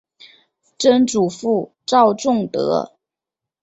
曾祖父赵仲德。